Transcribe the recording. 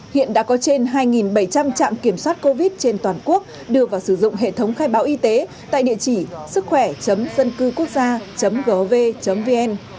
hiện đã có trên hai bảy trăm linh trạm kiểm soát covid trên toàn quốc đưa vào sử dụng hệ thống khai báo y tế tại địa chỉ sứckhoẻ sâncưquốc gia gov vn